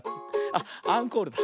あっアンコールだ。